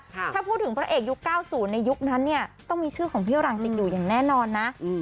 ถ้าพูดถึงพระเอกยุค๙๐ในยุคนั้นเนี่ยต้องมีชื่อของพี่หลังติดอยู่อย่างแน่นอนนะ